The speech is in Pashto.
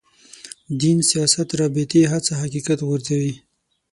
دین سیاست رابطې هڅه حقیقت غورځوي.